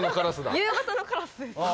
夕方のカラスですね